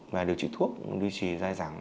và điều trị thuốc điều trị dai dẳng